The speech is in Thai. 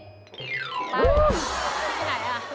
ไปที่ไหนอ่ะ